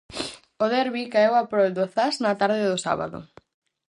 O derbi caeu a prol do Zas na tarde do sábado.